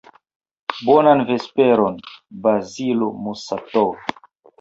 Bonan vesperon, Bazilo Musatov.